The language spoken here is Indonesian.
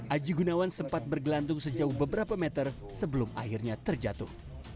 aji gunawan sempat bergelantung sejauh beberapa meter sebelum akhirnya terjatuh